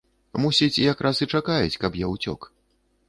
Мусіць, якраз і чакаюць, каб я ўцёк.